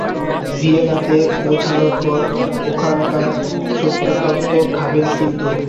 ভিয়েনাতে পৌঁছানোর পর ওখানকার সোচারতর্ত খাবে কিন্তু!